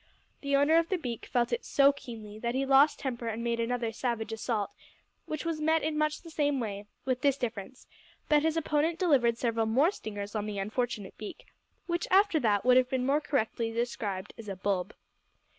The owner of the beak felt it so keenly, that he lost temper and made another savage assault, which was met in much the same way, with this difference, that his opponent delivered several more stingers on the unfortunate beak, which after that would have been more correctly described as a bulb.